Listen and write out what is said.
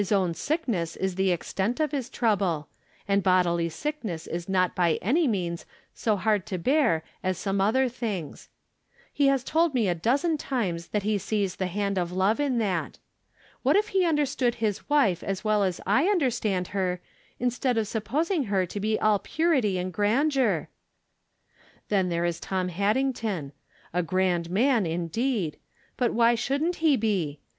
own sickness is the ex tent of his trouble, and bodily sickness is not by any means so hard to bear as some other tilings. He has told me a dozen times that he sees the hand of love in that. What if he imderstood his wife as well as I understand her, instead of sup posing her to be all purity and grandeur ? Then there is Tom Haddington. A grand man, in deed. But why shouldn't he be